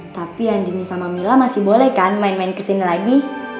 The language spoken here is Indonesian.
tapi andi ini sama mila masih boleh kan main main ke sini lagi